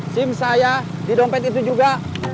sim saya di dompet itu juga